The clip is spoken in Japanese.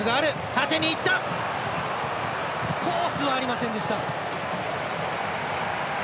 コースはありませんでした。